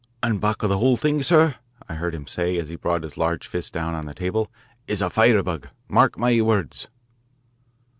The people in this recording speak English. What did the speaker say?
"And back of the whole thing, sir," I heard him say as he brought his large fist down on the table, "is a firebug mark my words."